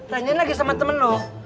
rancang lagi sama temen lo